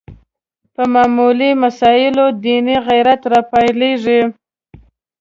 په معمولي مسایلو دیني غیرت راپارېږي